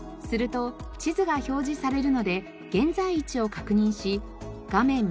すると地図が表示されるので現在位置を確認し画面